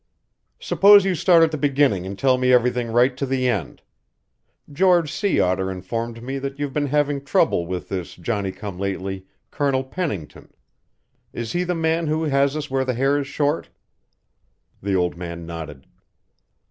"Suppose you start at the beginning and tell me everything right to the end. George Sea Otter informed me that you've been having trouble with this Johnny come lately, Colonel Pennington. Is he the man who has us where the hair is short?" The old man nodded.